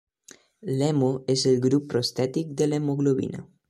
L'hemo és el grup prostètic de l'hemoglobina.